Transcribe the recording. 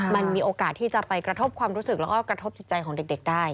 มันมีโอกาสที่จะไปกระทบความรู้สึกแล้วก็กระทบจิตใจของเด็กได้